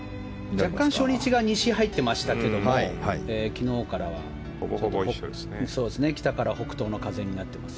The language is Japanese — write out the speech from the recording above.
若干初日が西入ってましたけど昨日からは北から北東の風になっていますね。